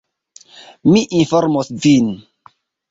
Mi informos vin.